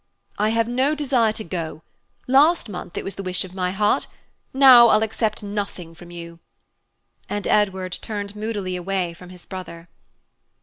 "I have no desire to go. Last month it was the wish of my heart. Now I'll accept nothing from you." And Edward turned moodily away from his brother.